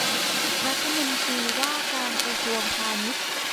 รัฐมนตรีว่าการกระทรวงพาณิชย์